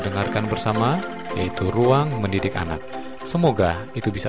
dan selamat mengikuti acara selanjutnya